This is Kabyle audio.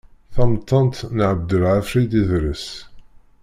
Tamettant n Ɛebdelḥafiḍ Idres.